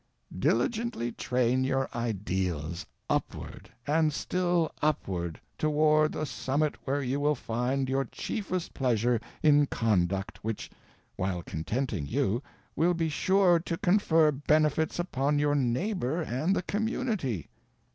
Diligently train your ideals _upward _and _still upward _toward a summit where you will find your chiefest pleasure in conduct which, while contenting you, will be sure to confer benefits upon your neighbor and the community.